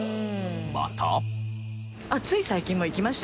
また。